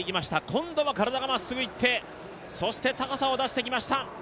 今度は体がまっすぐいって、そして高さを出してきました。